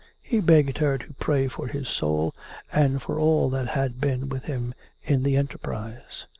He begged her to pray for his soul, and for all that had been with him in the enterprise."